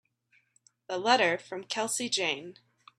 The letter from Kelsey Jane.